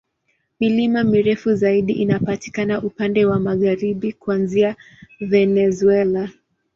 Milima mirefu zaidi inapatikana upande wa magharibi, kuanzia Venezuela.